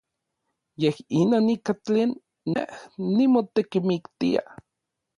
Yej inon ika tlen nej nimotekimiktia.